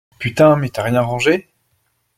Putain mais t'as rien rangé?!